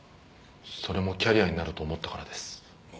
それもキャリアになると思ったからです。